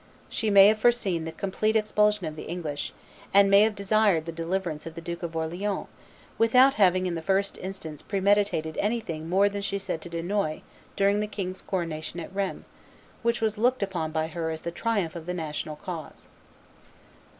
She may have foreseen the complete expulsion of the English, and may have desired the deliverance of the Duke of Orleans, without having in the first instance premeditated anything more than she said to Dunois during the king's coronation at Rheims, which was looked upon by her as the triumph of the national cause.